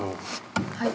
・はい？